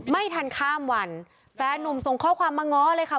ไม่ทันข้ามวันแฟนนุ่มส่งข้อความมาง้อเลยค่ะ